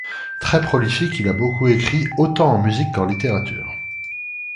Très prolifique, il a beaucoup écrit autant en musique qu'en littérature.